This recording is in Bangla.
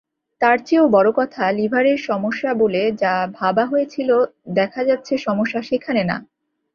তারচেয়েও বড় কথা লিভারের সমস্যা বলে যা ভাবা হয়েছিল দেখা যাচ্ছে সমস্যা সেখানে না।